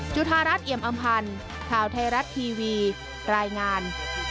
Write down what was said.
จุธารัฐเอี่ยมอำพันธ์ข่าวไทยรัฐทีวีรายงาน